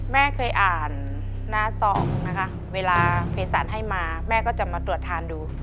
แม่เคยอ่านหน้าซองนะคะเวลาเพสันให้มาแม่ก็จะมาตรวจทานดู